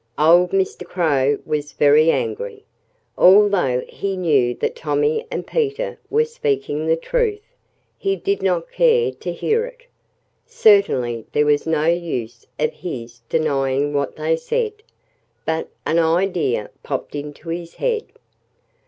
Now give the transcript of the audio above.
Old Mr. Crow was very angry. Although he knew that Tommy and Peter were speaking the truth, he did not care to hear it. Certainly there was no use of his denying what they said. But an idea popped into his head.